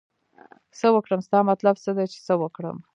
څه وکړم ستا مطلب څه دی چې څه وکړم